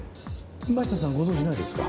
真下さんご存じないですか？